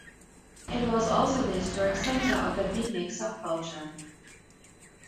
It was also the historic center of the beatnik subculture.